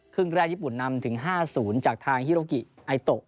แรกญี่ปุ่นนำถึง๕๐จากทางฮิโรกิไอโตะ